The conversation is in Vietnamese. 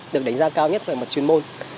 được đánh giá cao nhất về mặt chuyên môn